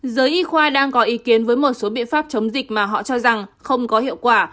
giới y khoa đang có ý kiến với một số biện pháp chống dịch mà họ cho rằng không có hiệu quả